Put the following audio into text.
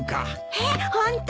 えっホント！？